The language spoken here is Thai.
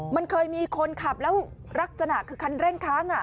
มันเคยมีคนขับแล้วลักษณะคือคันเร่งค้าง